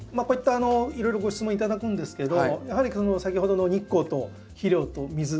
こういったいろいろご質問頂くんですけどやはり先ほどの日光と肥料と水